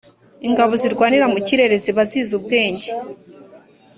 ingabo zirwanira mu kirere zibazizi ubwenge.